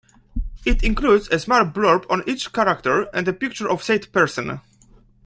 It includes a small blurb on each character, and a picture of said person.